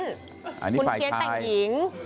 คุณเพียนแต่งหญิง